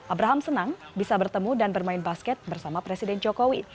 abraham senang bisa bertemu dan bermain basket bersama presiden jokowi